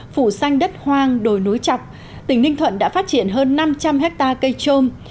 phủ xanh đất hoang đồi núi trọc tỉnh ninh thuận đã phát triển hơn năm trăm linh hectare cây trôm